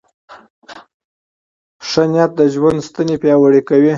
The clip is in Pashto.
ښه نیت د ژوند ستنې پیاوړې کوي.